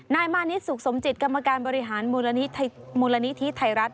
นายมานิดสุขสมจิตกรรมการบริหารมูลนิธิไทยรัฐ